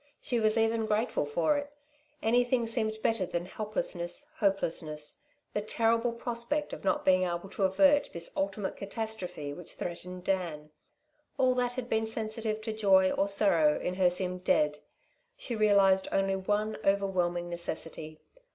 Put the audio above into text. She was even grateful for it. Anything seemed better than helplessness, hopelessness the terrible prospect of not being able to avert this ultimate catastrophe which threatened Dan. All that had been sensitive to joy or sorrow in her seemed dead. She realised only one overwhelming necessity.